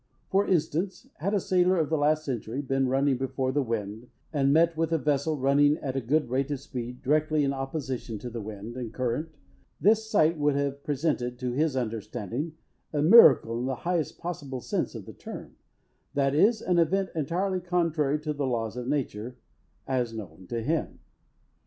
For instance, had a sailor of the last century been running before the wind, and met with a vessel running at a good rate of speed, directly in opposition to the wind and current, this sight would have presented, to his understanding, a miracle in the highest possible sense of the term, that is, an event entirely contrary to the laws of nature, as known to him.